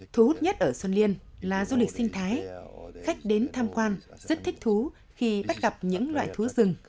thu hút nhất ở xuân liên là du lịch sinh thái khách đến tham quan rất thích thú khi bắt gặp những loại thú rừng